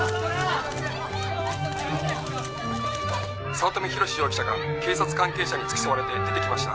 「早乙女宏志容疑者が警察関係者に付き添われて出てきました」